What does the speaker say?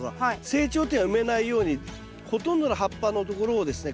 成長点は埋めないようにほとんどの葉っぱのところをですね